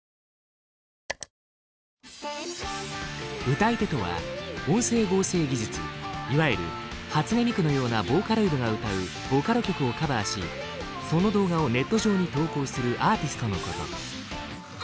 歌い手とは音声合成技術いわゆる初音ミクのようなボーカロイドが歌うボカロ曲をカバーしその動画をネット上に投稿するアーティストのこと。